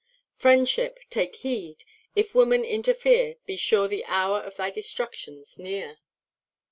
Friendship, take heed; if woman interfere, Be sure the hour of thy destruction's near.